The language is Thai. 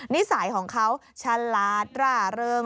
นิสัยของเขาฉลาดร่าเริง